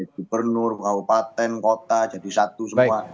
gubernur kau paten kota jadi satu semua